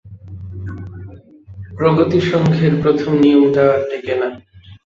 প্রগতিসংঘের প্রথম নিয়মটা আর টেকে না।